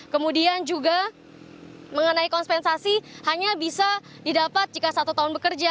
kemudian juga mengenai kompensasi hanya bisa didapat jika satu tahun bekerja